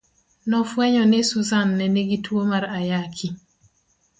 Nofwenyo ni Susan ne nigi tuo mar Ayaki.